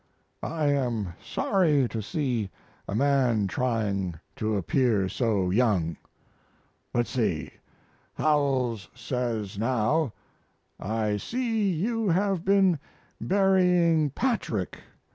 I am sorry to see a man trying to appear so young. Let's see. Howells says now, "I see you have been burying Patrick.